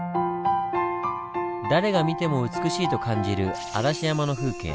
誰が見ても美しいと感じる嵐山の風景。